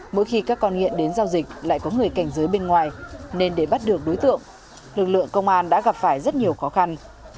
mỗi khi các con nghiện đến giao dịch lại có người cảnh giới bên ngoài nên để bắt được đối tượng lực lượng công an đã gặp phải rất nhiều khó khăn